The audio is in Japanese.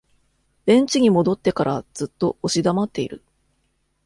ベンチに戻ってからずっと押し黙っている